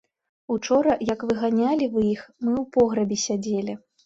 Учора, як выганялі вы іх, мы ў пограбе сядзелі.